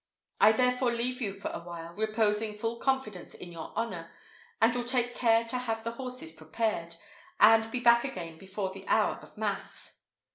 I therefore leave you for a while, reposing full confidence in your honour, and will take care to have the horses prepared, and be back again before the hour of mass."